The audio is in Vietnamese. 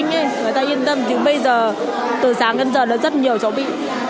người ta yên tâm chứ bây giờ từ sáng đến giờ nó rất nhiều cháu bị